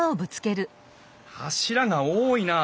柱が多いなあ